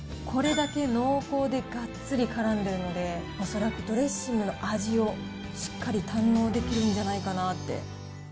これだけ濃厚でがっつりからんでるので、恐らくドレッシングの味をしっかり堪能できるんじゃないかなって。